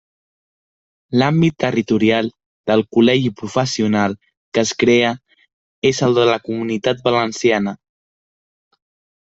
L'àmbit territorial del col·legi professional que es crea és el de la Comunitat Valenciana.